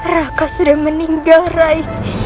raka sudah meninggal rai